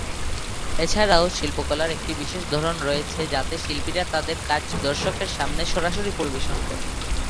এছাড়াও শিল্পকলার একটি বিশেষ ধরন রয়েছে যাতে শিল্পীরা তাদের কাজ দর্শকের সামনে সরাসরি পরিবেশন করে।